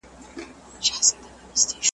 ایا په شمله کې د نسخو پېژندنې مرکز سته؟